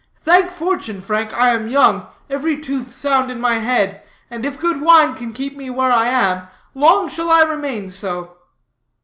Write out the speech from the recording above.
Thank fortune, Frank, I am young, every tooth sound in my head, and if good wine can keep me where I am, long shall I remain so."